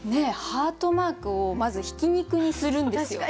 ハートマークをまず挽き肉にするんですよ。